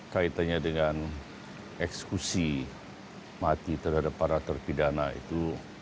kaitannya dengan eksekusi mati terhadap para terpidana itu